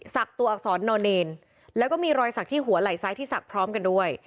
ตัวอักษรนอเนนแล้วก็มีรอยสักที่หัวไหล่ซ้ายที่ศักดิ์พร้อมกันด้วย